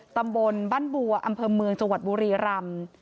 ตำบลบ้านบัวอำเภอเมืองจังหวัดบุรีรำ